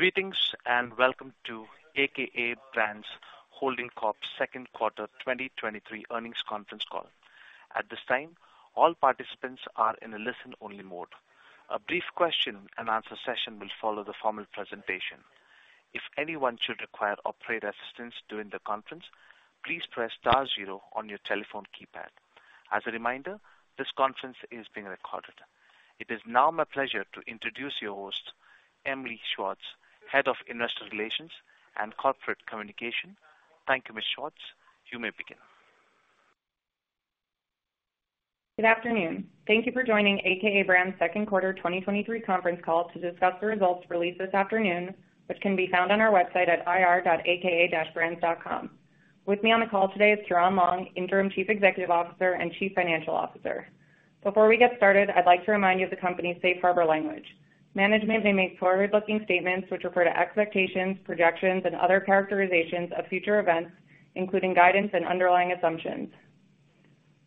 Greetings, and welcome to a.k.a. Brands Holding Corp.'s second quarter 2023 earnings conference call. At this time, all participants are in a listen-only mode. A brief question and answer session will follow the formal presentation. If anyone should require operator assistance during the conference, please press star zero on your telephone keypad. As a reminder, this conference is being recorded. It is now my pleasure to introduce your host, Emily Schwartz, Head of Investor Relations and Corporate Communication. Thank you, Ms. Schwartz. You may begin. Good afternoon. Thank you for joining a.k.a. Brands' second quarter 2023 conference call to discuss the results released this afternoon, which can be found on our website at ir.aka-brands.com. With me on the call today is Ciarán Long, Interim Chief Executive Officer and Chief Financial Officer. Before we get started, I'd like to remind you of the company's safe harbor language. Management may make forward-looking statements which refer to expectations, projections, and other characterizations of future events, including guidance and underlying assumptions.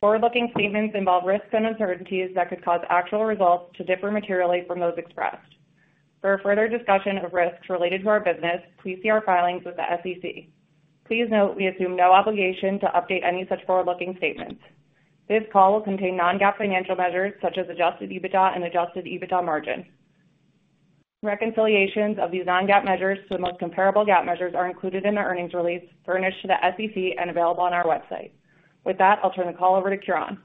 Forward-looking statements involve risks and uncertainties that could cause actual results to differ materially from those expressed. For a further discussion of risks related to our business, please see our filings with the SEC. Please note, we assume no obligation to update any such forward-looking statements. This call will contain non-GAAP financial measures such as Adjusted EBITDA and Adjusted EBITDA margin. Reconciliations of these non-GAAP measures to the most comparable GAAP measures are included in our earnings release furnished to the SEC and available on our website. With that, I'll turn the call over to Ciarán.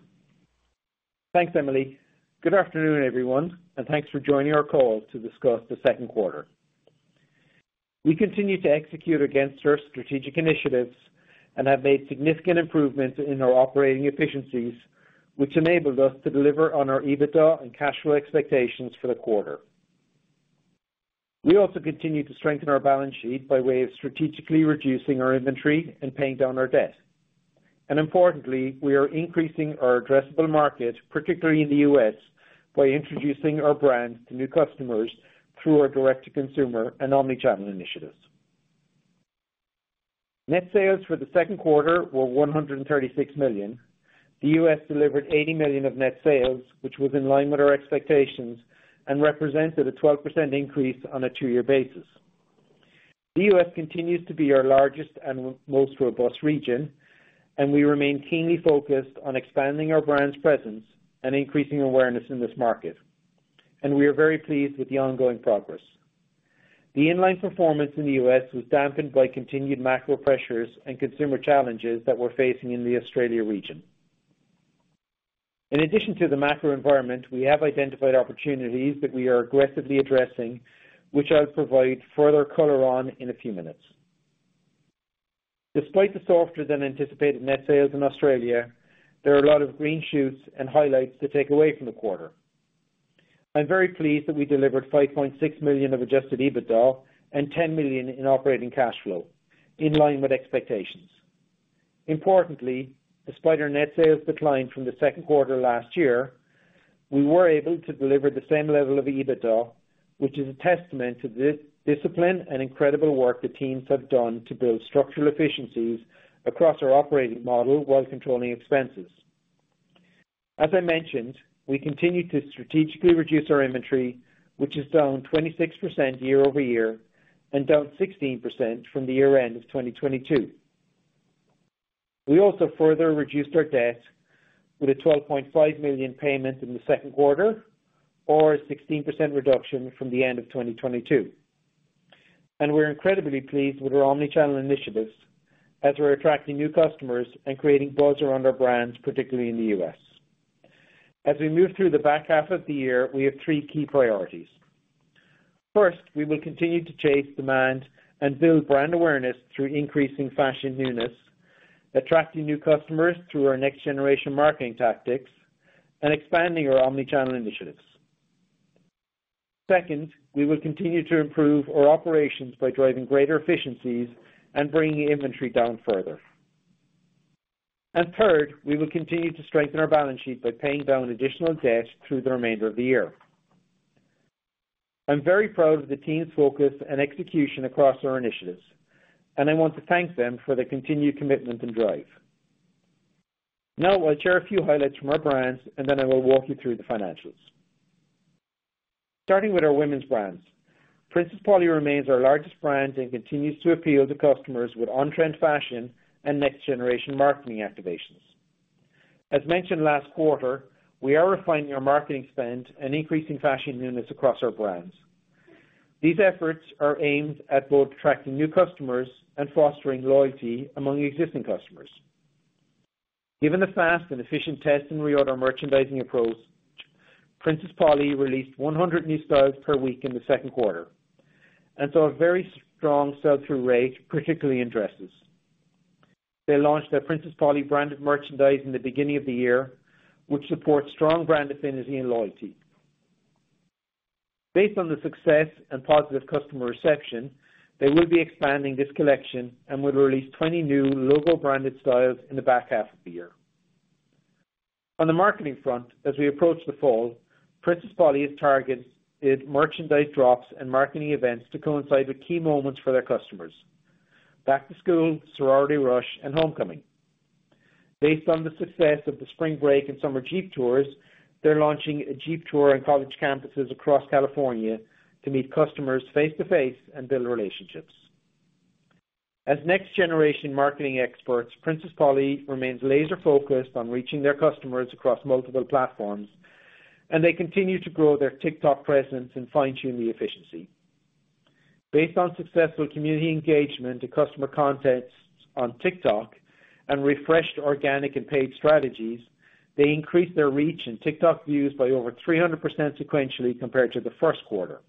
Thanks, Emily. Good afternoon, everyone, and thanks for joining our call to discuss the second quarter. We continue to execute against our strategic initiatives and have made significant improvements in our operating efficiencies, which enabled us to deliver on our EBITDA and cash flow expectations for the quarter. We also continue to strengthen our balance sheet by way of strategically reducing our inventory and paying down our debt. Importantly, we are increasing our addressable market, particularly in the U.S., by introducing our brands to new customers through our direct-to-consumer and omni-channel initiatives. Net sales for the second quarter were $136 million. The U.S. delivered $80 million of net sales, which was in line with our expectations and represented a 12% increase on a two-year basis. The U.S. continues to be our largest and most robust region. We remain keenly focused on expanding our brand's presence and increasing awareness in this market. We are very pleased with the ongoing progress. The in-line performance in the U.S. was dampened by continued macro pressures and consumer challenges that we're facing in the Australia region. In addition to the macro environment, we have identified opportunities that we are aggressively addressing, which I'll provide further color on in a few minutes. Despite the softer than anticipated net sales in Australia, there are a lot of green shoots and highlights to take away from the quarter. I'm very pleased that we delivered $5.6 million of Adjusted EBITDA and $10 million in operating cash flow, in line with expectations. Importantly, despite our Net Sales decline from the second quarter last year, we were able to deliver the same level of EBITDA, which is a testament to the discipline and incredible work the teams have done to build structural efficiencies across our operating model while controlling expenses. As I mentioned, we continued to strategically reduce our inventory, which is down 26% year-over-year and down 16% from the year-end of 2022. We also further reduced our debt with a $12.5 million payment in the second quarter, or a 16% reduction from the end of 2022. We're incredibly pleased with our omni-channel initiatives as we're attracting new customers and creating buzz around our brands, particularly in the U.S. As we move through the back half of the year, we have three key priorities: First, we will continue to chase demand and build brand awareness through increasing fashion newness, attracting new customers through our next generation marketing tactics, and expanding our omni-channel initiatives. Second, we will continue to improve our operations by driving greater efficiencies and bringing inventory down further. Third, we will continue to strengthen our balance sheet by paying down additional debt through the remainder of the year. I'm very proud of the team's focus and execution across our initiatives, and I want to thank them for their continued commitment and drive. Now I'll share a few highlights from our brands, and then I will walk you through the financials. Starting with our women's brands, Princess Polly remains our largest brand and continues to appeal to customers with on-trend fashion and next-generation marketing activations. As mentioned last quarter, we are refining our marketing spend and increasing fashion newness across our brands. These efforts are aimed at both attracting new customers and fostering loyalty among existing customers. Given the fast and efficient test and reorder merchandising approach, Princess Polly released 100 new styles per week in the second quarter and saw a very strong sell-through rate, particularly in dresses. They launched their Princess Polly branded merchandise in the beginning of the year, which supports strong brand affinity and loyalty. Based on the success and positive customer reception, they will be expanding this collection and will release 20 new logo branded styles in the back half of the year. On the marketing front, as we approach the fall, Princess Polly has targeted merchandise drops and marketing events to coincide with key moments for their customers: back to school, sorority rush, and homecoming.... Based on the success of the spring break and summer Jeep tours, they're launching a Jeep tour on college campuses across California to meet customers face-to-face and build relationships. As next generation marketing experts, Princess Polly remains laser focused on reaching their customers across multiple platforms. They continue to grow their TikTok presence and fine-tune the efficiency. Based on successful community engagement and customer contents on TikTok and refreshed organic and paid strategies, they increased their reach in TikTok views by over 300% sequentially compared to the first quarter.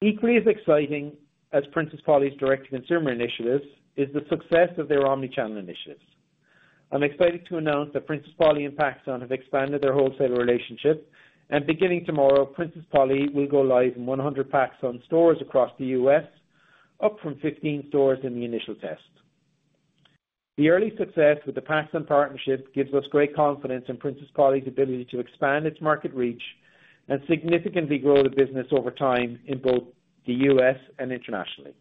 Equally as exciting as Princess Polly's direct-to-consumer initiatives, is the success of their omni-channel initiatives. I'm excited to announce that Princess Polly and PacSun have expanded their wholesale relationship. Beginning tomorrow, Princess Polly will go live in 100 PacSun stores across the U.S., up from 15 stores in the initial test. The early success with the Pacsun partnership gives us great confidence in Princess Polly's ability to expand its market reach and significantly grow the business over time in both the U.S. and internationally.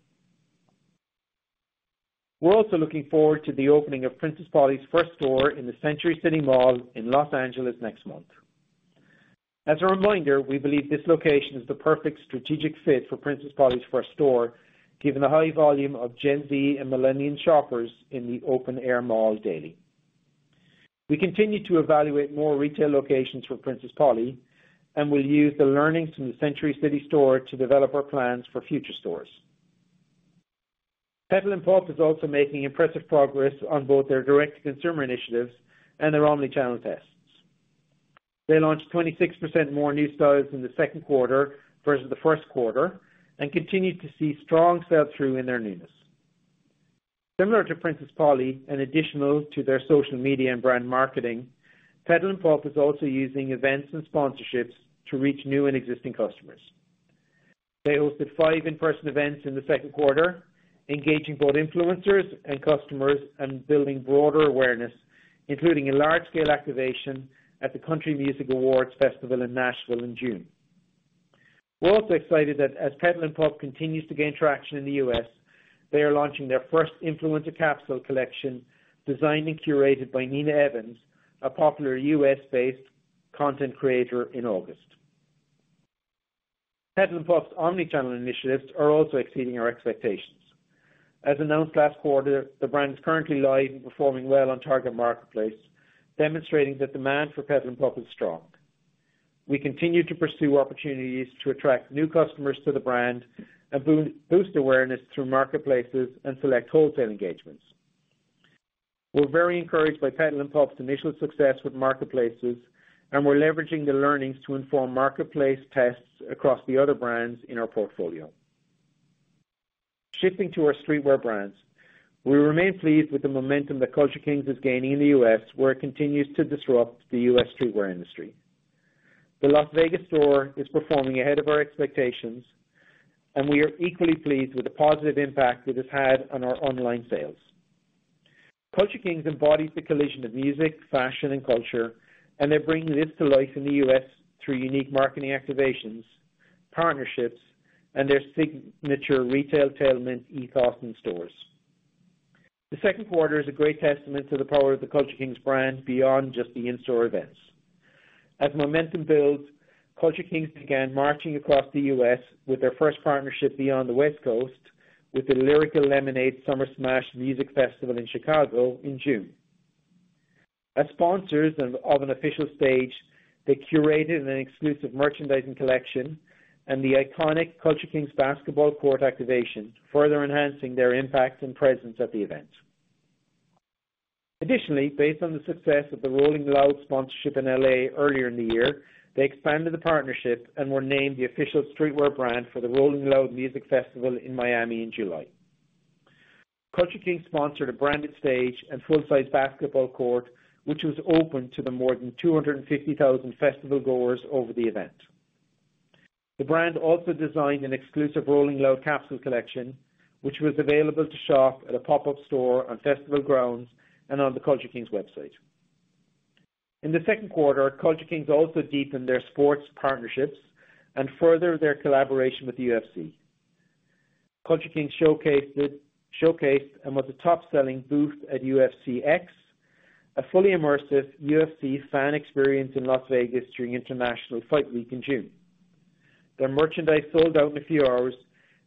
We're also looking forward to the opening of Princess Polly's first store in the Century City Mall in Los Angeles next month. As a reminder, we believe this location is the perfect strategic fit for Princess Polly's first store, given the high volume of Gen Z and millennial shoppers in the open air mall daily. We continue to evaluate more retail locations for Princess Polly, and we'll use the learnings from the Century City store to develop our plans for future stores. Petal & Pup is also making impressive progress on both their direct-to-consumer initiatives and their omni-channel tests. They launched 26% more new styles in the second quarter versus the first quarter and continued to see strong sell-through in their newness. Similar to Princess Polly, additional to their social media and brand marketing, Petal & Pup is also using events and sponsorships to reach new and existing customers. They hosted five in-person events in the second quarter, engaging both influencers and customers and building broader awareness, including a large-scale activation at the Country Music Awards Festival in Nashville in June. We're also excited that as Petal & Pup continues to gain traction in the U.S., they are launching their first influencer capsule collection, designed and curated by Nina Evans, a popular U.S.-based content creator, in August. Petal & Pup's omni-channel initiatives are also exceeding our expectations. As announced last quarter, the brand is currently live and performing well on Target marketplace, demonstrating that demand for Petal & Pup is strong. We continue to pursue opportunities to attract new customers to the brand and boost awareness through marketplaces and select wholesale engagements. We're very encouraged by Petal & Pup's initial success with marketplaces. We're leveraging the learnings to inform marketplace tests across the other brands in our portfolio. Shifting to our streetwear brands, we remain pleased with the momentum that Culture Kings is gaining in the US, where it continues to disrupt the US streetwear industry. The Las Vegas store is performing ahead of our expectations. We are equally pleased with the positive impact it has had on our online sales. Culture Kings embodies the collision of music, fashion, and culture, and they're bringing this to life in the U.S. through unique marketing activations, partnerships, and their signature retailtainment e-commerce stores. The second quarter is a great testament to the power of the Culture Kings brand beyond just the in-store events. As momentum builds, Culture Kings began marching across the U.S. with their first partnership beyond the West Coast, with the Lyrical Lemonade Summer Smash Music Festival in Chicago in June. As sponsors of an official stage, they curated an exclusive merchandising collection and the iconic Culture Kings basketball court activation, further enhancing their impact and presence at the event. Based on the success of the Rolling Loud sponsorship in L.A. earlier in the year, they expanded the partnership and were named the official streetwear brand for the Rolling Loud Music Festival in Miami in July. Culture Kings sponsored a branded stage and full-size basketball court, which was open to the more than 250,000 festival goers over the event. The brand also designed an exclusive Rolling Loud capsule collection, which was available to shop at a pop-up store on festival grounds and on the Culture Kings website. In the second quarter, Culture Kings also deepened their sports partnerships and furthered their collaboration with the UFC. Culture Kings showcased and was the top-selling booth at UFC X, a fully immersive UFC fan experience in Las Vegas during International Fight Week in June. Their merchandise sold out in a few hours,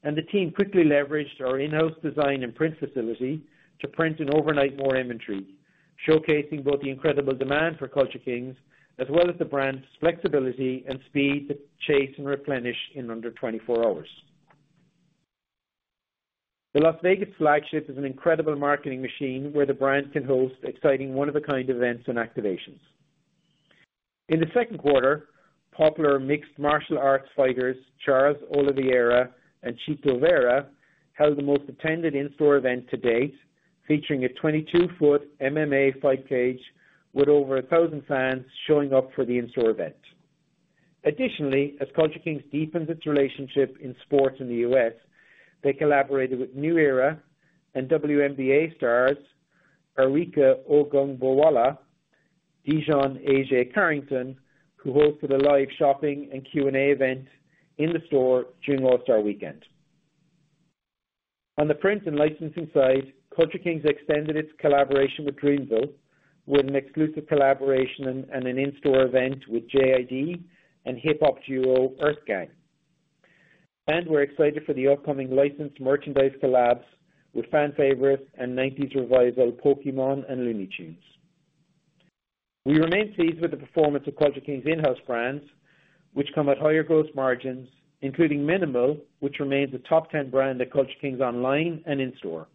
the team quickly leveraged our in-house design and print facility to print and overnight more inventory, showcasing both the incredible demand for Culture Kings as well as the brand's flexibility and speed to chase and replenish in under 24 hours. The Las Vegas flagship is an incredible marketing machine where the brand can host exciting one-of-a-kind events and activations. In the second quarter, popular mixed martial arts fighters, Charles Oliveira and Chito Vera, held the most attended in-store event to date, featuring a 22-foot MMA fight cage with over 1,000 fans showing up for the in-store event. Additionally, as Culture Kings deepens its relationship in sports in the U.S., they collaborated with New Era and WNBA stars, Arike Ogunbowale- DiJonai Carrington, who hosted a live shopping and Q&A event in the store during All-Star Weekend. On the print and licensing side, Culture Kings extended its collaboration with Dreamville, with an exclusive collaboration and an in-store event with JID and hip hop duo, EarthGang. We're excited for the upcoming licensed merchandise collabs with fan favorites and '90s revival, Pokemon and Looney Tunes. We remain pleased with the performance of Culture Kings' in-house brands, which come at higher gross margins, including mnml, which remains a top 10 brand at Culture Kings online and in-store.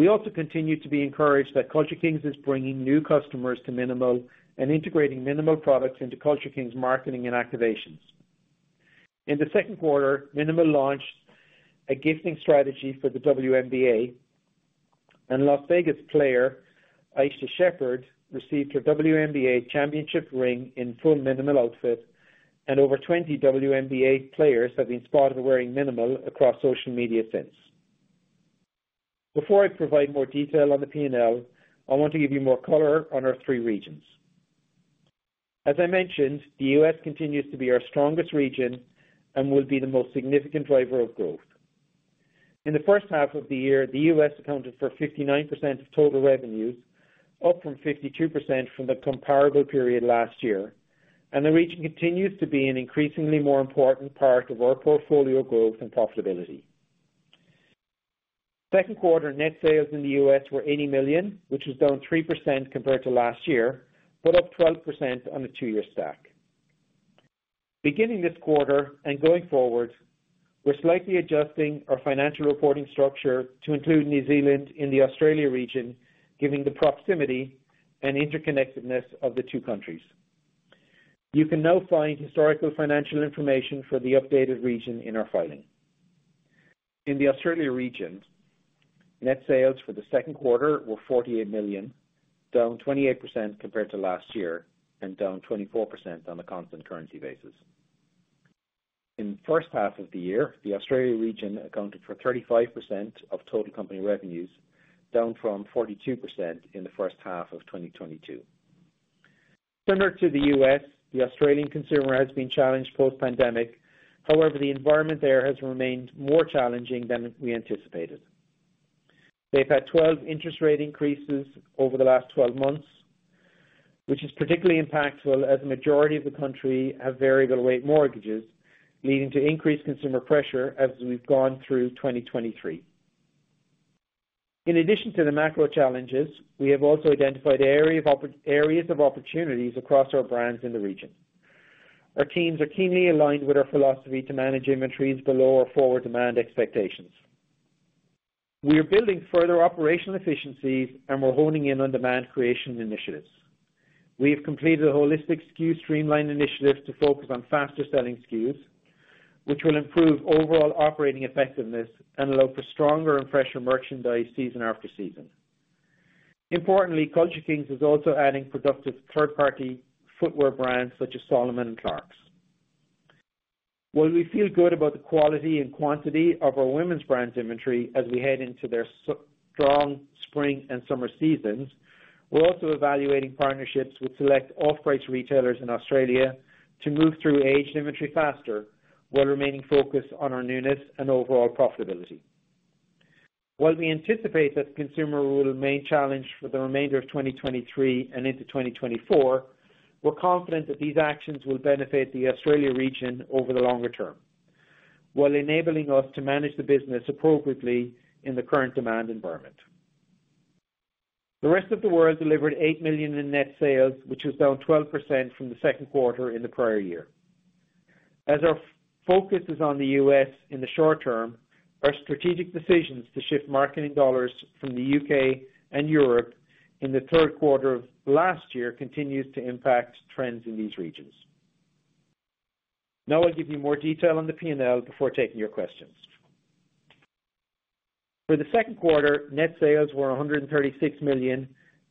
We also continue to be encouraged that Culture Kings is bringing new customers to mnml and integrating mnml products into Culture Kings' marketing and activations. In the second quarter, mnml launched a gifting strategy for the WNBA, and Las Vegas player, A'ja Wilson, received her WNBA championship ring in full mnml outfit, and over 20 WNBA players have been spotted wearing mnml across social media since. Before I provide more detail on the P&L, I want to give you more color on our three regions. As I mentioned, the U.S. continues to be our strongest region and will be the most significant driver of growth. In the first half of the year, the U.S. accounted for 59% of total revenues, up from 52% from the comparable period last year, and the region continues to be an increasingly more important part of our portfolio growth and profitability. Second quarter Net Sales in the U.S. were $80 million, which was down 3% compared to last year, but up 12% on a two-year stack. Beginning this quarter and going forward, we're slightly adjusting our financial reporting structure to include New Zealand in the Australia region, giving the proximity and interconnectedness of the two countries. You can now find historical financial information for the updated region in our filing. In the Australia region, net sales for the second quarter were $48 million, down 28% compared to last year and down 24% on a constant currency basis. In the first half of the year, the Australia region accounted for 35% of total company revenues, down from 42% in the first half of 2022. Similar to the U.S., the Australian consumer has been challenged post-pandemic. However, the environment there has remained more challenging than we anticipated. They've had 12 interest rate increases over the last 12 months, which is particularly impactful as the majority of the country have variable rate mortgages, leading to increased consumer pressure as we've gone through 2023. In addition to the macro challenges, we have also identified areas of opportunities across our brands in the region. Our teams are keenly aligned with our philosophy to manage inventories below our forward demand expectations. We are building further operational efficiencies, and we're honing in on demand creation initiatives. We have completed a holistic SKU streamline initiative to focus on faster selling SKUs, which will improve overall operating effectiveness and allow for stronger and fresher merchandise season after season. Importantly, Culture Kings is also adding productive third-party footwear brands such as Salomon and Clarks. While we feel good about the quality and quantity of our women's brands inventory as we head into their strong spring and summer seasons, we're also evaluating partnerships with select off-price retailers in Australia to move through aged inventory faster, while remaining focused on our newness and overall profitability. While we anticipate that the consumer will remain challenged for the remainder of 2023 and into 2024, we're confident that these actions will benefit the Australia region over the longer term, while enabling us to manage the business appropriately in the current demand environment. The rest of the world delivered $8 million in net sales, which was down 12% from the second quarter in the prior year. As our focus is on the U.S. in the short term, our strategic decisions to shift marketing dollars from the U.K. and Europe in the third quarter of last year continues to impact trends in these regions. I'll give you more detail on the P&L before taking your questions. For the second quarter, Net Sales were $136 million,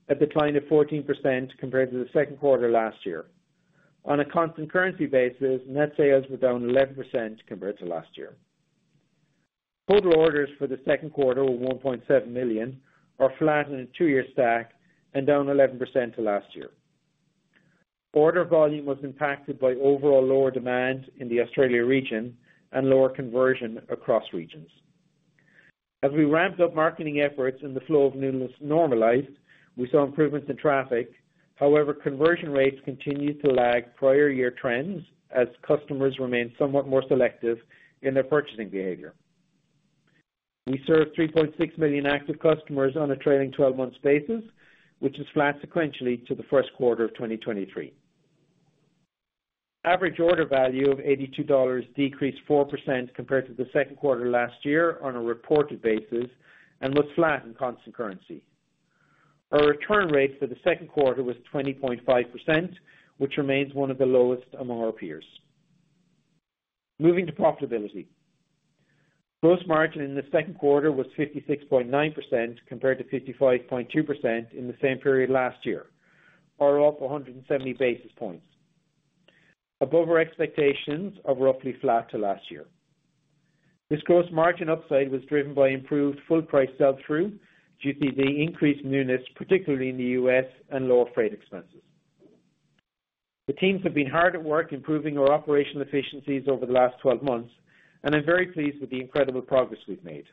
a decline of 14% compared to the second quarter last year. On a constant currency basis, Net Sales were down 11% compared to last year. Total orders for the second quarter were 1.7 million, are flat in a two-year stack and down 11% to last year. Order volume was impacted by overall lower demand in the Australia region and lower conversion across regions. As we ramped up marketing efforts and the flow of newness normalized, we saw improvements in traffic. However, conversion rates continued to lag prior year trends as customers remained somewhat more selective in their purchasing behavior. We served 3.6 million active customers on a trailing twelve-month basis, which is flat sequentially to the first quarter of 2023. Average order value of $82 decreased 4% compared to the second quarter last year on a reported basis and was flat in constant currency. Our return rate for the second quarter was 20.5%, which remains one of the lowest among our peers. Moving to profitability. Gross Margin in the second quarter was 56.9%, compared to 55.2% in the same period last year, or up 170 basis points, above our expectations of roughly flat to last year. This Gross Margin upside was driven by improved full price sell-through, due to the increased newness, particularly in the U.S. and lower freight expenses. The teams have been hard at work improving our operational efficiencies over the last 12 months, and I'm very pleased with the incredible progress we've made.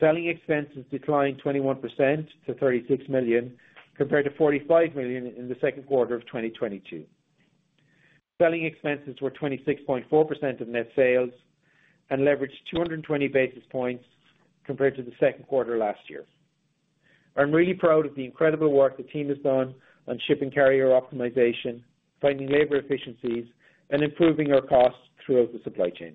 Selling expenses declined 21% to $36 million, compared to $45 million in the second quarter of 2022. Selling expenses were 26.4% of net sales and leveraged 220 basis points compared to the second quarter last year. I'm really proud of the incredible work the team has done on shipping carrier optimization, finding labor efficiencies, and improving our costs throughout the supply chain.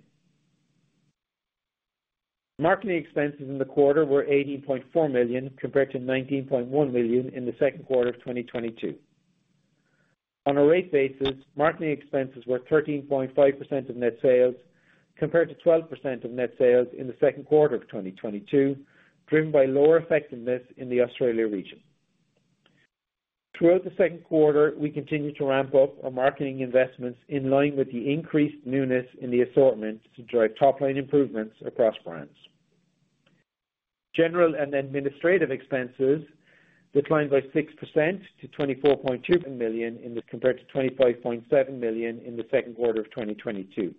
Marketing expenses in the quarter were $80.4 million, compared to $19.1 million in the second quarter of 2022. On a rate basis, marketing expenses were 13.5% of Net Sales, compared to 12% of net sales in the second quarter of 2022, driven by lower effectiveness in the Australia region. Throughout the second quarter, we continued to ramp up our marketing investments in line with the increased newness in the assortment to drive top line improvements across brands. General and administrative expenses declined by 6% to $24.2 million in this, compared to $25.7 million in the second quarter of 2022.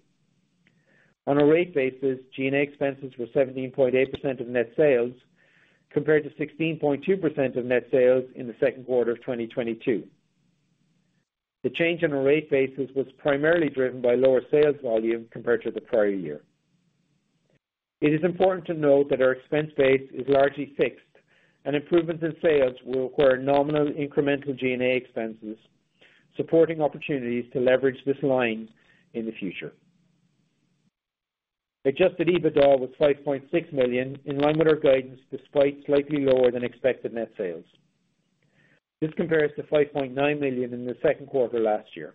On a rate basis, G&A expenses were 17.8% of net sales, compared to 16.2% of Net Sales in the second quarter of 2022. The change in our rate basis was primarily driven by lower sales volume compared to the prior year. It is important to note that our expense base is largely fixed, and improvements in sales will require nominal incremental G&A expenses, supporting opportunities to leverage this line in the future. Adjusted EBITDA was $5.6 million, in line with our guidance, despite slightly lower than expected net sales. This compares to $5.9 million in the second quarter last year.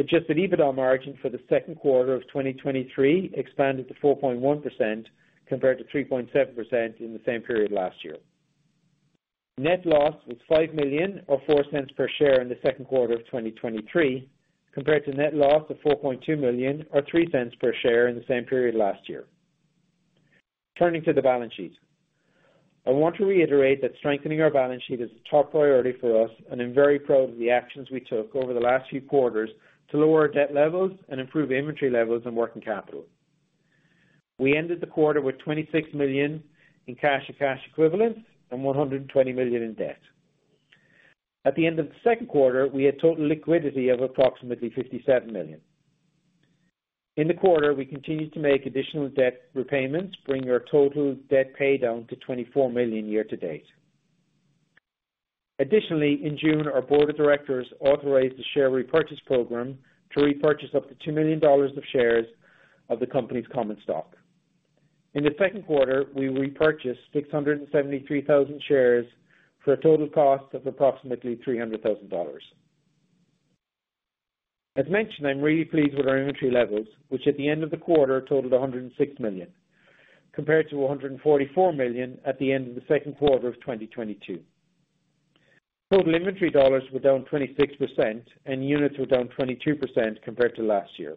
Adjusted EBITDA margin for the second quarter of 2023 expanded to 4.1%, compared to 3.7% in the same period last year. Net loss was $5 million, or $0.04 per share in the second quarter of 2023, compared to net loss of $4.2 million, or $0.03 per share in the same period last year. Turning to the balance sheet. I want to reiterate that strengthening our balance sheet is a top priority for us, and I'm very proud of the actions we took over the last few quarters to lower our debt levels and improve inventory levels and working capital. We ended the quarter with $26 million in cash and cash equivalents and $120 million in debt. At the end of the second quarter, we had total liquidity of approximately $57 million. In the quarter, we continued to make additional debt repayments, bringing our total debt pay down to $24 million year-to-date. Additionally, in June, our board of directors authorized a share repurchase program to repurchase up to $2 million of shares of the company's common stock. In the second quarter, we repurchased 673,000 shares for a total cost of approximately $300,000. As mentioned, I'm really pleased with our inventory levels, which at the end of the quarter totaled $106 million, compared to $144 million at the end of the second quarter of 2022. Total inventory dollars were down 26%, and units were down 22% compared to last year.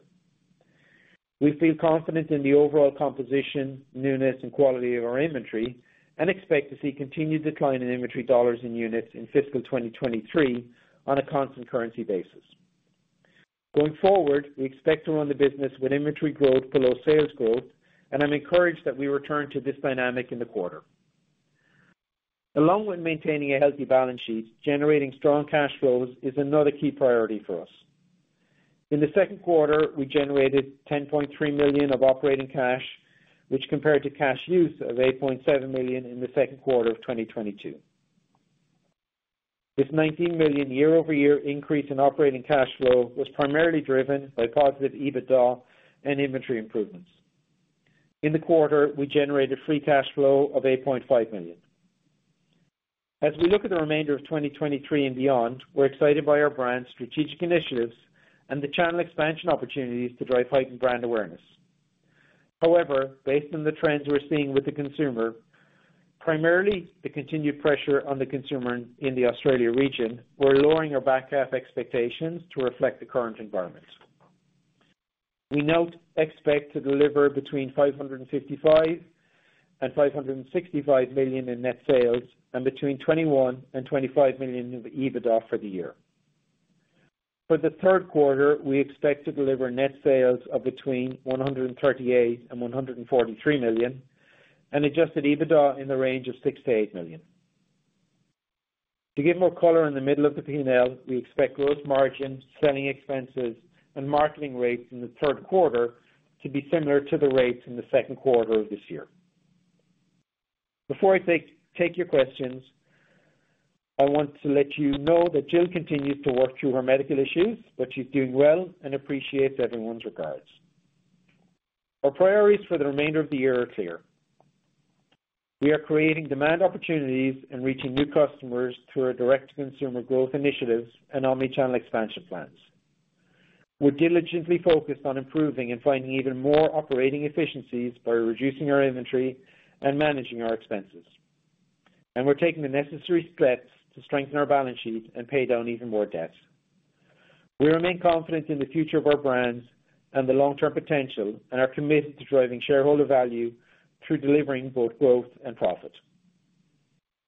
We feel confident in the overall composition, newness, and quality of our inventory and expect to see continued decline in inventory dollars and units in fiscal 2023 on a constant currency basis. Going forward, we expect to run the business with inventory growth below sales growth, and I'm encouraged that we return to this dynamic in the quarter. Along with maintaining a healthy balance sheet, generating strong cash flows is another key priority for us. In the second quarter, we generated $10.3 million of operating cash, which compared to cash use of $8.7 million in the second quarter of 2022. This $19 million year-over-year increase in operating cash flow was primarily driven by positive EBITDA and inventory improvements. In the quarter, we generated free cash flow of $8.5 million. As we look at the remainder of 2023 and beyond, we're excited by our brand's strategic initiatives and the channel expansion opportunities to drive heightened brand awareness. Based on the trends we're seeing with the consumer, primarily the continued pressure on the consumer in the Australia region, we're lowering our back half expectations to reflect the current environment. We now expect to deliver between $555 million and $565 million in net sales and between $21 million and $25 million in EBITDA for the year. For the third quarter, we expect to deliver net sales of between $138 million and $143 million, and Adjusted EBITDA in the range of $6 million-$8 million. To give more color in the middle of the P&L, we expect Growth Margin, selling expenses, and marketing rates in the third quarter to be similar to the rates in the second quarter of this year. Before I take your questions, I want to let you know that Jill continues to work through her medical issues. She's doing well and appreciates everyone's regards. Our priorities for the remainder of the year are clear. We are creating demand opportunities and reaching new customers through our direct-to-consumer growth initiatives and omni-channel expansion plans. We're diligently focused on improving and finding even more operating efficiencies by reducing our inventory and managing our expenses. ...We're taking the necessary steps to strengthen our balance sheet and pay down even more debt. We remain confident in the future of our brands and the long-term potential, and are committed to driving shareholder value through delivering both growth and profit.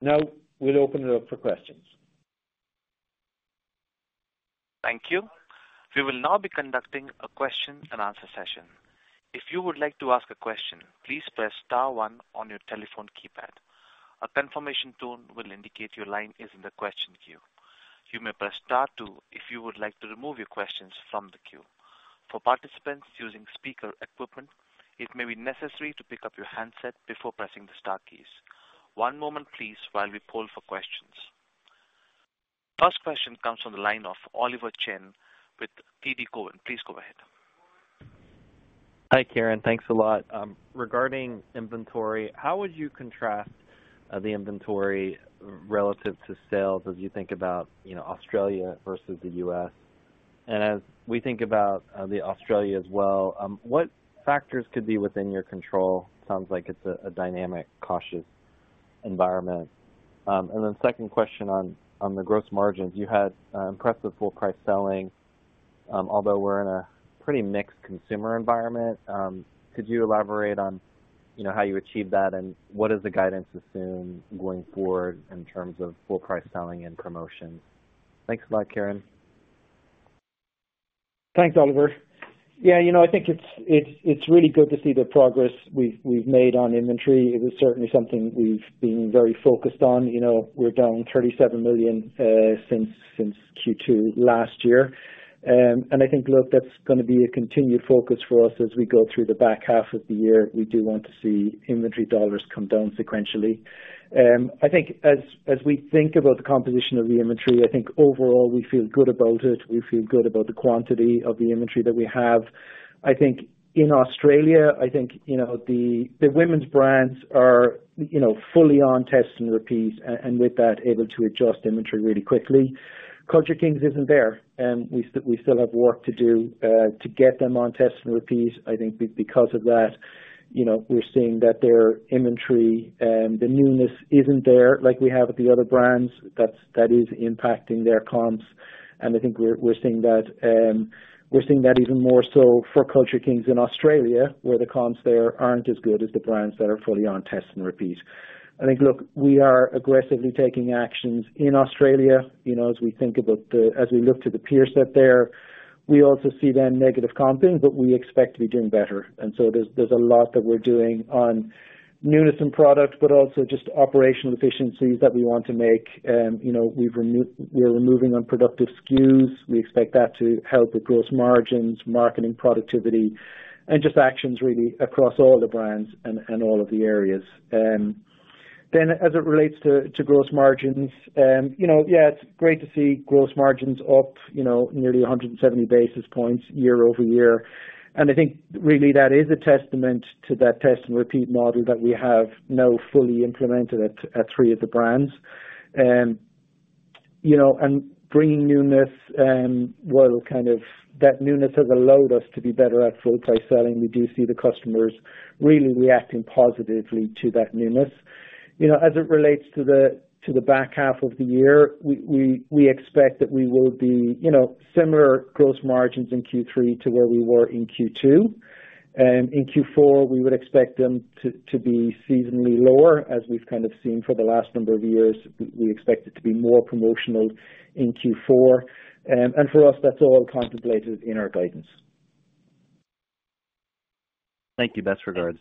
Now, we'll open it up for questions. Thank you. We will now be conducting a question and answer session. If you would like to ask a question, please press star one on your telephone keypad. A confirmation tone will indicate your line is in the question queue. You may press star two if you would like to remove your questions from the queue. For participants using speaker equipment, it may be necessary to pick up your handset before pressing the star keys. One moment, please, while we poll for questions. First question comes from the line of Oliver Chen with TD Cowen. Please go ahead. Hi, Ciarán. Thanks a lot. Regarding inventory, how would you contrast the inventory relative to sales as you think about, you know, Australia versus the U.S.? As we think about the Australia as well, what factors could be within your control? Sounds like it's a dynamic, cautious environment. Then second question on the gross margins. You had impressive full price selling, although we're in a pretty mixed consumer environment. Could you elaborate on, you know, how you achieved that, and what does the guidance assume going forward in terms of full price selling and promotion? Thanks a lot, Ciarán. Thanks, Oliver. Yeah, you know, I think it's, it's, it's really good to see the progress we've, we've made on inventory. It is certainly something we've been very focused on. You know, we're down $37 million, since, since Q2 last year. I think, look, that's gonna be a continued focus for us as we go through the back half of the year. We do want to see inventory dollars come down sequentially. I think as, as we think about the composition of the inventory, I think overall, we feel good about it. We feel good about the quantity of the inventory that we have. I think in Australia, I think, you know, the, the women's brands are, you know, fully on test and repeat, and with that, able to adjust inventory really quickly. Culture Kings isn't there, and we still, we still have work to do to get them on test and repeat. I think because of that, you know, we're seeing that their inventory, the newness isn't there, like we have with the other brands. That is impacting their comps, and I think we're, we're seeing that, we're seeing that even more so for Culture Kings in Australia, where the comps there aren't as good as the brands that are fully on test and repeat. I think, look, we are aggressively taking actions in Australia, you know. As we look to the peer set there, we also see them negative comping. We expect to be doing better. There's, there's a lot that we're doing on newness in products, but also just operational efficiencies that we want to make. You know, we're removing unproductive SKUs. We expect that to help with gross margins, marketing, productivity, and just actions really across all the brands and, and all of the areas. As it relates to, to gross margins, you know, yeah, it's great to see gross margins up, you know, nearly 170 basis points year-over-year. I think really that is a testament to that test and repeat model that we have now fully implemented at, at three of the brands. you know, and bringing newness, well, kind of that newness has allowed us to be better at full price selling. We do see the customers really reacting positively to that newness. You know, as it relates to the, to the back half of the year, we expect that we will be, you know, similar gross margins in Q3 to where we were in Q2. In Q4, we would expect them to be seasonally lower, as we've kind of seen for the last number of years. We expect it to be more promotional in Q4. For us, that's all contemplated in our guidance. Thank you. Best regards.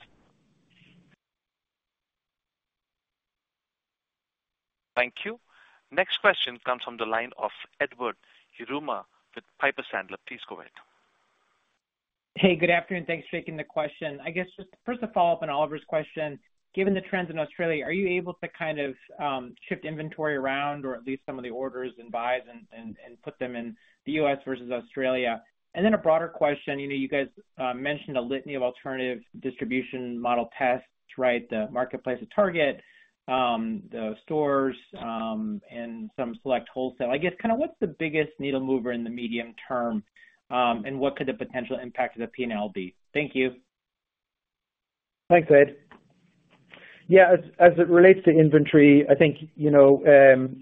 Thank you. Next question comes from the line of Edward Yruma with Piper Sandler. Please go ahead. Hey, good afternoon. Thanks for taking the question. I guess, just first a follow-up on Oliver Chen's question. Given the trends in Australia, are you able to kind of, shift inventory around, or at least some of the orders and buys and put them in the U.S. versus Australia? Then a broader question. You know, you guys, mentioned a litany of alternative distribution model tests, right? The marketplace at Target, the stores, and some select wholesale. I guess, kind of what's the biggest needle mover in the medium term, and what could the potential impact of the P&L be? Thank you. Thanks, Edward. Yeah, as, as it relates to inventory, I think, you know.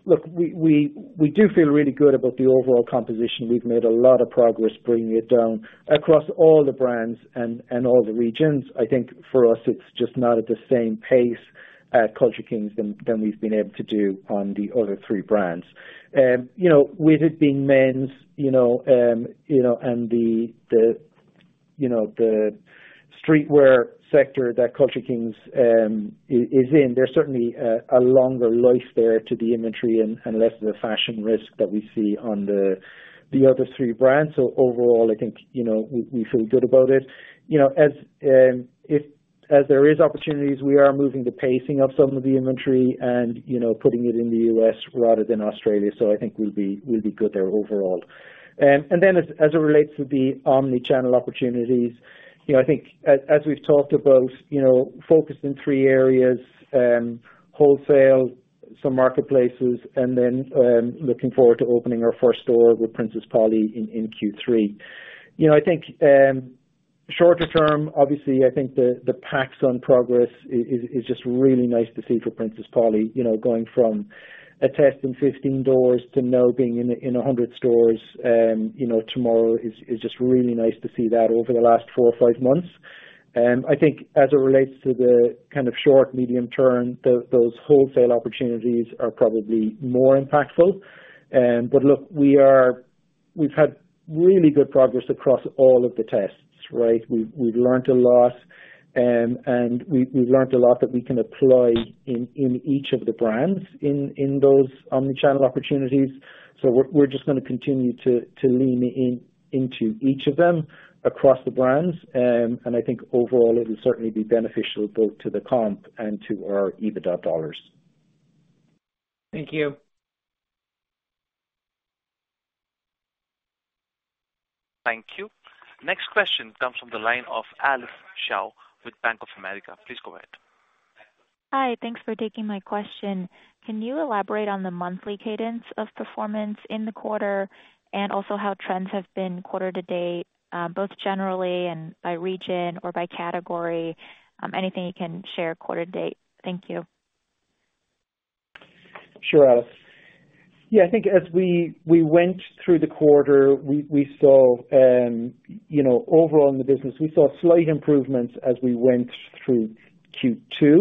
Look, we, we, we do feel really good about the overall composition. We've made a lot of progress bringing it down across all the brands and all the regions. I think for us, it's just not at the same pace at Culture Kings than we've been able to do on the other three brands. You know, with it being men's, you know, you know, and the, you know, the streetwear sector that Culture Kings is in, there's certainly a longer life there to the inventory and less of a fashion risk that we see on the other three brands. Overall, I think, you know, we, we feel good about it. You know, as there is opportunities, we are moving the pacing of some of the inventory and, you know, putting it in the U.S. rather than Australia. I think we'll be, we'll be good there overall. As, as it relates to the omni-channel opportunities, you know, I think as, as we've talked about, you know, focused in three areas, wholesale, some marketplaces, and then looking forward to opening our first store with Princess Polly in Q3. You know, I think. Shorter term, obviously, I think the Pacsun progress is, is, is just really nice to see for Princess Polly, you know, going from a test in 15 doors to now being in a, in 100 stores, you know, tomorrow is, is just really nice to see that over the last four or five months. I think as it relates to the kind of short, medium term, those wholesale opportunities are probably more impactful. Look, we've had really good progress across all of the tests, right? We've learned a lot, and we've learned a lot that we can apply in, in each of the brands in, in those omnichannel opportunities. We're just gonna continue to, to lean in, into each of them across the brands. I think overall, it will certainly be beneficial both to the comp and to our EBITDA dollars. Thank you. Thank you. Next question comes from the line of Alice Xiao with Bank of America. Please go ahead. Hi, thanks for taking my question. Can you elaborate on the monthly cadence of performance in the quarter, and also how trends have been quarter to date, both generally and by region or by category? Anything you can share quarter to date. Thank you. Sure, Alice. Yeah, I think as we, we went through the quarter, we, we saw, you know, overall in the business, we saw slight improvements as we went through Q2.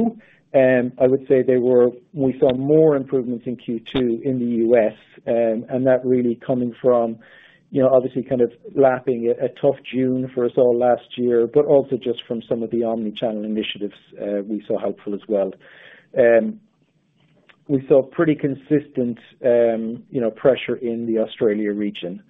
We saw more improvements in Q2 in the U.S., and that really coming from, you know, obviously kind of lapping a, a tough June for us all last year, but also just from some of the omni-channel initiatives, we saw helpful as well. We saw pretty consistent, you know, pressure in the Australia region.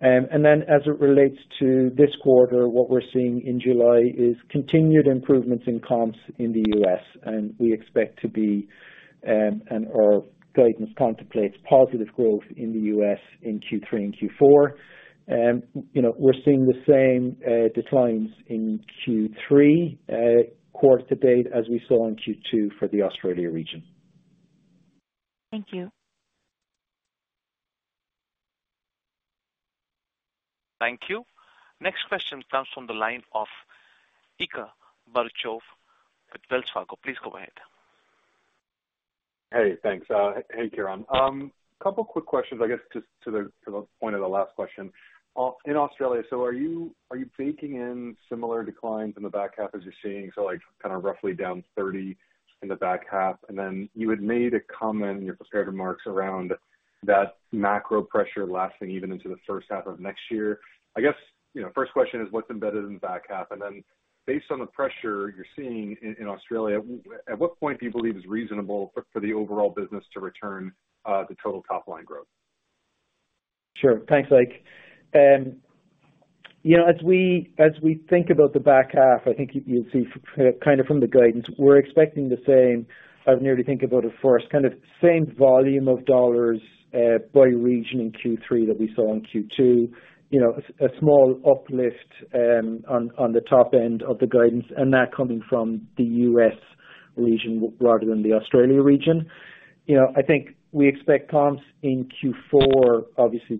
Then as it relates to this quarter, what we're seeing in July is continued improvements in comps in the U.S., and we expect to be, and our guidance contemplates positive growth in the U.S. in Q3 and Q4. You know, we're seeing the same declines in Q3 quarter to date as we saw in Q2 for the Australia region. Thank you. Thank you. Next question comes from the line of Ike Boruchow with Wells Fargo. Please go ahead. Hey, thanks. Hey, Ciarán. Couple quick questions, I guess, just to the point of the last question. In Australia, so are you, are you baking in similar declines in the back half as you're seeing, so like kind of roughly down 30 in the back half? Then you had made a comment in your prepared remarks around that macro pressure lasting even into the first half of next year. I guess, you know, first question is, what's embedded in the back half? Then based on the pressure you're seeing in Australia, at what point do you believe is reasonable for, for the overall business to return to total top line growth? Sure. Thanks, Ike. You know, as we, as we think about the back half, I think you, you'll see kind of from the guidance, we're expecting the same, I would nearly think about it first, kind of same volume of dollars, by region in Q3 that we saw in Q2. You know, a small uplift on the top end of the guidance, and that coming from the U.S. region rather than the Australia region. You know, I think we expect comps in Q4, obviously,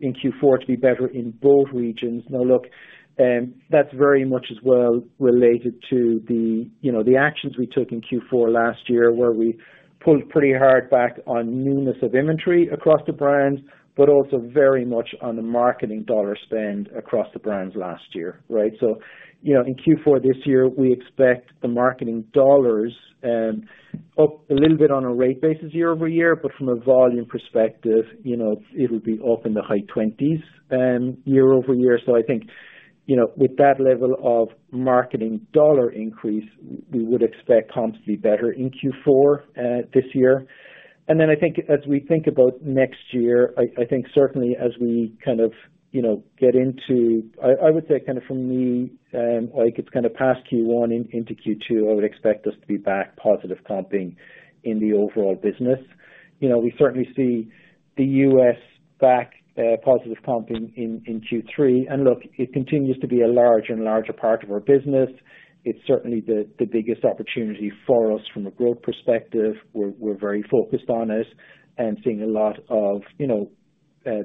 in Q4 to be better in both regions. Now, look, that's very much as well related to the, you know, the actions we took in Q4 last year, where we pulled pretty hard back on newness of inventory across the brands, but also very much on the marketing dollar spend across the brands last year, right? You know, in Q4 this year, we expect the marketing dollars up a little bit on a rate basis year-over-year, but from a volume perspective, you know, it'll be up in the high 20s year-over-year. I think, you know, with that level of marketing dollar increase, we would expect comps to be better in Q4 this year. Then I think as we think about next year, I think certainly as we kind of, you know, I would say kind of from me, like it's kind of past Q1 into Q2, I would expect us to be back positive comping in the overall business. You know, we certainly see the U.S. back positive comping in Q3. Look, it continues to be a large and larger part of our business. It's certainly the biggest opportunity for us from a growth perspective. We're very focused on it and seeing a lot of, you know,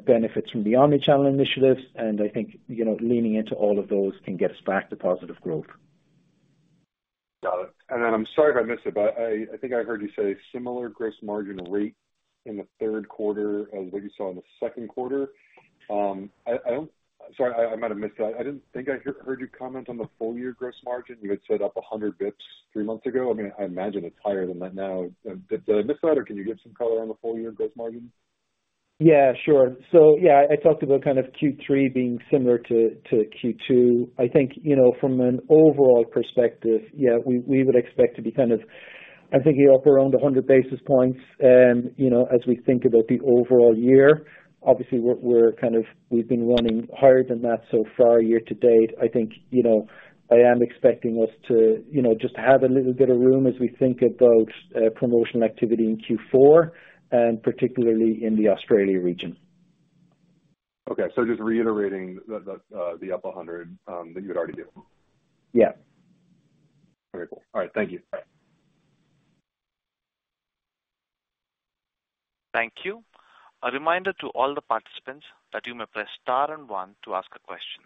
benefits from the omni-channel initiatives. I think, you know, leaning into all of those can get us back to positive growth. Got it. I'm sorry if I missed it, but I think I heard you say similar gross margin rate in the third quarter as what you saw in the second quarter. Sorry, I might have missed that. I didn't think I heard you comment on the full year gross margin. You had said up 100 basis points three months ago. I mean, I imagine it's higher than that now. Did I miss that, or can you give some color on the full year gross margin? Yeah, sure. Yeah, I talked about kind of Q3 being similar to Q2. I think, you know, from an overall perspective, yeah, we, we would expect to be kind of, I'm thinking up around 100 basis points. You know, as we think about the overall year, obviously, we're, we're kind of, we've been running higher than that so far year to date. I think, you know, I am expecting us to, you know, just have a little bit of room as we think about promotional activity in Q4, and particularly in the Australia region. Okay. Just reiterating the, the, the up 100, that you had already given? Yeah. Very cool. All right. Thank you. Bye. Thank you. A reminder to all the participants that you may press Star and One to ask a question.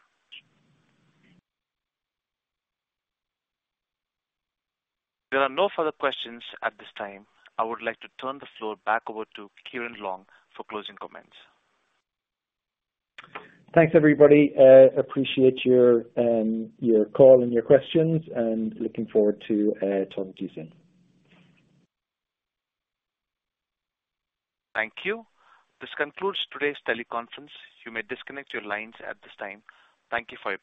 There are no further questions at this time. I would like to turn the floor back over to Ciarán Long for closing comments. Thanks, everybody. Appreciate your, your call and your questions, and looking forward to talking to you soon. Thank you. This concludes today's teleconference. You may disconnect your lines at this time. Thank you for your participation.